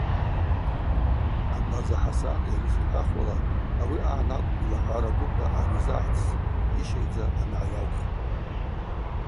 Абаза Хӏасан йара йшихӏвахуала, ауи агӏан акӏвпӏ алахӏвара дуква анизыгӏацӏс, йыщайдза ангӏайаух.